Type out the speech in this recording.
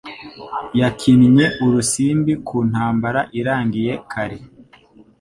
Yakinnye urusimbi ku ntambara irangiye kare.